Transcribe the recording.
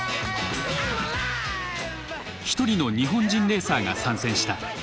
一人の日本人レーサーが参戦した。